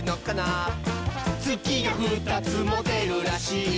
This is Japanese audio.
「つきが２つもでるらしい」